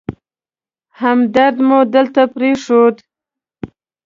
همدرد مو دلته پرېښود.